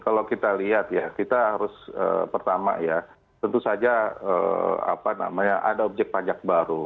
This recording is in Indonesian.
kalau kita lihat ya kita harus pertama ya tentu saja ada objek pajak baru